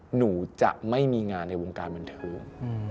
หนูจะไม่มีงานในวงการบันเทิง